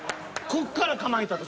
こっから構えた時。